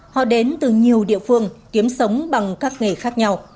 họ đến từ nhiều địa phương kiếm sống bằng các nghề khác nhau